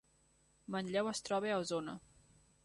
Manlleu es troba a Osona